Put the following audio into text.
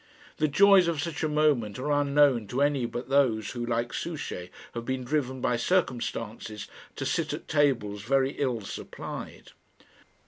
The joys of such a moment are unknown to any but those who, like Souchey, have been driven by circumstances to sit at tables very ill supplied.